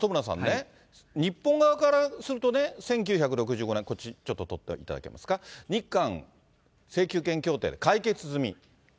これね、本村さんね、日本側からするとね、１９６５年、こっちちょっと撮っていただけますか、日韓請求権協定で解決済み。